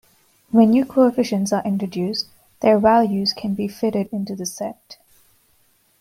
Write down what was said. When new coefficients are introduced, their values can be fitted into the set.